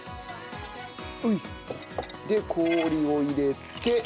うん！で氷を入れて。